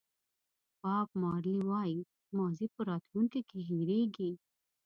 باب مارلې وایي ماضي په راتلونکي کې هېرېږي.